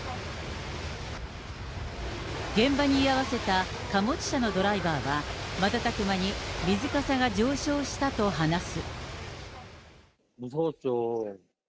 現場に居合わせた貨物車のドライバーは、瞬く間に水かさが上昇したと話す。